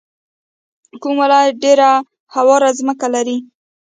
کوم ولایت ډیره هواره ځمکه لري؟